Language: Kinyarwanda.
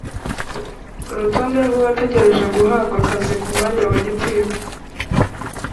urutonde rw’abategereje guhabwa akazi ku mwanya wa gitifu